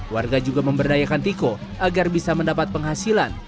warga juga memberdayakan tiko agar bisa mendapat penghasilan